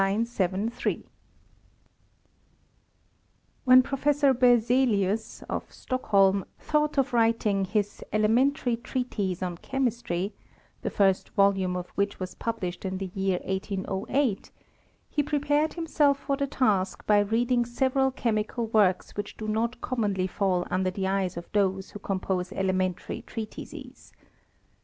4 40973 302 nisTORY OF When Professor Berzeliiis, of Stockholm, thought of writing his Elementary Tteatise on Chemistry, the first volume of which was published in the year 1806, he prepared himself for the task by reading several chemical wurks which do not commonly fall under the eye of those who compose elementary treatises.